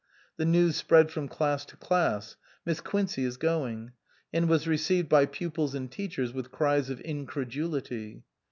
The news spread from class to class "Miss Quincey is going " and was received by pupils and teachers with cries of incredulity.